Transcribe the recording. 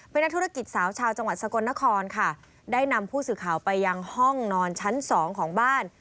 เป็นนักธุรกิจสาวชาวจังหวัดสกลนครค่ะได้นำผู้สื่อข่าวไปยังห้องนอนชั้นสองของบ้าน